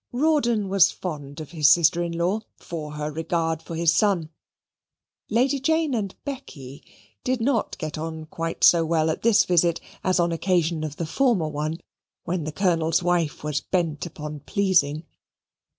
Rawdon was fond of his sister in law, for her regard for his son. Lady Jane and Becky did not get on quite so well at this visit as on occasion of the former one, when the Colonel's wife was bent upon pleasing.